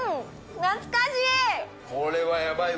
懐かしい！